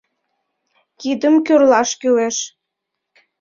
— Кидым кӱрлаш кӱлеш.